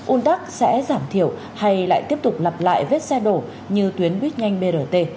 ún đắc sẽ giảm thiểu hay lại tiếp tục lặp lại vết xe đổ như tuyến bích nhanh brt